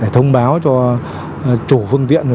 thông báo cho chủ phương tiện